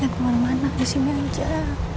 ya kemana mana disini aja